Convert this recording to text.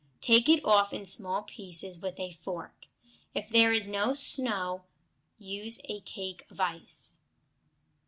Take it off in small pieces with a fork. If there is no snow, use a cake of ice.